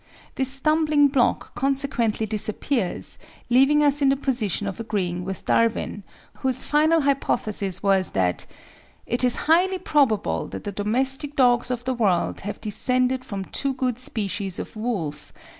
This stumbling block consequently disappears, leaving us in the position of agreeing with Darwin, whose final hypothesis was that "it is highly probable that the domestic dogs of the world have descended from two good species of wolf (_C.